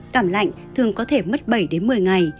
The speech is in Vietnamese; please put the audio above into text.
cảm lạnh thường có thể mất bảy đến một mươi ngày